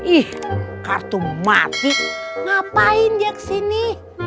ih kartu mati ngapain dia kesini